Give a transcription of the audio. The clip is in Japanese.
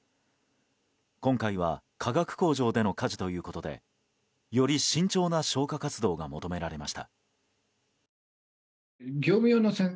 今回は化学工場での火事ということでより慎重な消火活動が求められました。